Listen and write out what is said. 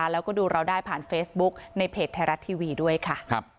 แล้วก็ดูเราได้ผ่านเฟซบุ๊กในเพจไทยรัฐทีวีด้วยค่ะ